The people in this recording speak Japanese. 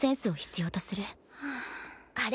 ・あれ？